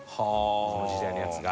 この時代のやつが。